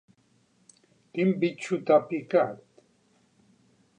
Quin bitxo t'ha picat?